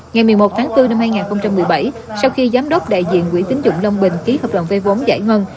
ngày một mươi một tháng bốn năm hai nghìn một mươi bảy sau khi giám đốc đại diện quỹ tính dụng long bình ký hợp đồng vây vốn giải ngân